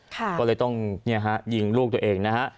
ก็เลยต้องยิงลูกตัวเองนะฮะ